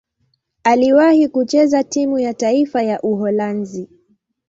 Aliwahi kucheza timu ya taifa ya Uholanzi.